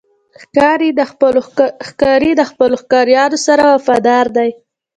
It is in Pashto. ښکاري د خپلو ښکارونو سره وفادار دی.